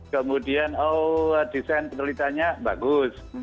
kemudian oh desain penelitiannya bagus